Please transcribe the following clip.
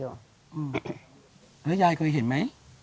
แล้วยายเคยเห็นไหม